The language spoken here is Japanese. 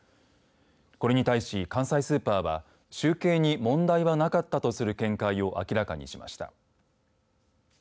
これに対し、関西スーパーは集計に問題はなかったとする見解を明らかにしました。